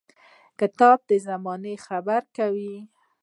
• کتاب د زمانې خبرې درکوي.